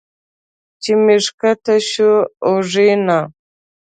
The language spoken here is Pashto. چې مې ښکته شو اوږې نه